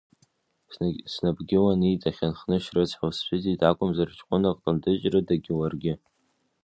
Снапгьы уаниҵахьан Хнышь рыцҳа, усцәыӡит акәымзар, ҷкәына ҟадыџь, Рыдаагьы уаргьы…